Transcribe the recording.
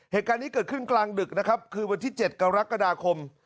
เหตุการณ์นี้เกิดขึ้นกลางดึกนะครับคือวันที่๗กรกฎาคม